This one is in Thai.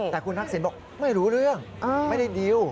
แต่คุณทักษิณบอกไม่รู้เรื่องไม่ได้ดีล